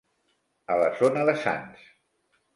A la zona de Sants.